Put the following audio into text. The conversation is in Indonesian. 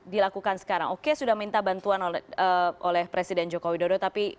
dilakukan sekarang oke sudah minta bantuan oleh presiden joko widodo tapi